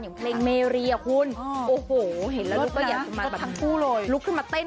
อย่างเพลงเมรีอ่ะคุณโอ้โหเห็นแล้วลุกก็อยากจะมาลุกขึ้นมาเต้น